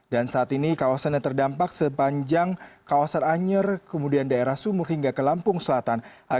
dan saat ini kawasannya terdampak sepanjang kawasan anyer kemudian daerah sumur hingga ke lampung selatan